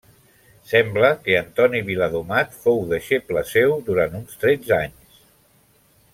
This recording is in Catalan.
Sembla que Antoni Viladomat fou deixeble seu durant uns tretze anys.